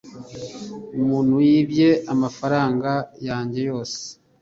umuntu yibye amafaranga yanjye yose